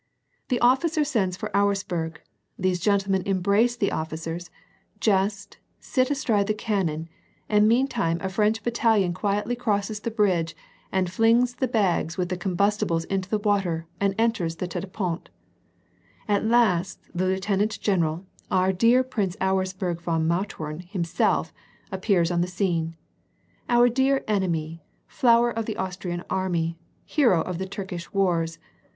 The officer sends for Auersperg; these gentlemen embrace the officers, jest, sit astride the cannon, and meantime a French battalion quietly crosses the bridge and flings the bags with the combusti bles into the water and enters the tete de pont. At last the lieutenant general, our dear Prince Auersperg von Mautem himself, appears on the scene. * Our dear enemy ! Flower of the Austrian army, hero of the Turkish wars